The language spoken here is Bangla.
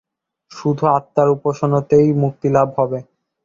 শুধু আত্মার উপাসনাতেই মুক্তিলাভ হবে।